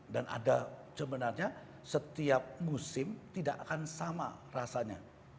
dan ada sebenarnya setiap musim tidak akan sama rasanya